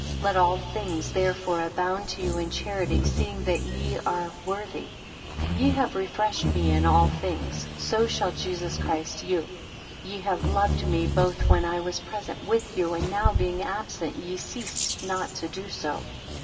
8 Let all things therefore abound to you in charity; seeing that ye are worthy. 9 Ye have refreshed me in all things; so shall Jesus Christ you. Ye have loved me both when I was present with you, and now being absent, ye cease not to do so.